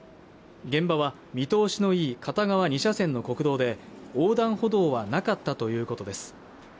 現場は見通しの良い片側２車線の国道で横断歩道はなかったということです